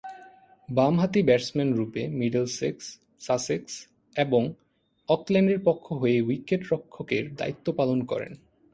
বামহাতি ব্যাটসম্যানরূপে Middlesex, Sussex এবং অকল্যান্ডের পক্ষ হয়ে উইকেট-রক্ষকের দায়িত্ব পালন করেন।